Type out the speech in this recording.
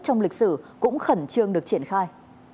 trong lịch sử cũng khẩn trương được triển khai